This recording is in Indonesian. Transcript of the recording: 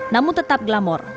namun tetap glamor